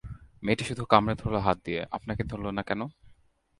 মেয়েটি শুধু কামড়ে ধরল-হাত দিয়ে আপনাকে ধরল না কেন?